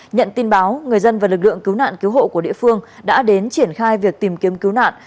nhận tin báo người dân và lực lượng cứu nạn cứu hộ của địa phương đã đến triển khai việc tìm kiếm cứu nạn